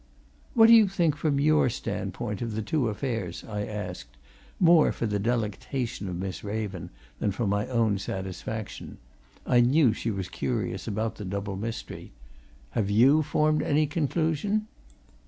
"What do you think, from your standpoint, of the two affairs?" I asked, more for the delectation of Miss Raven than for my own satisfaction I knew she was curious about the double mystery. "Have you formed any conclusion?"